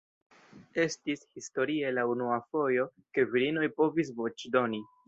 Estis historie la unua fojo ke virinoj povis voĉdoni.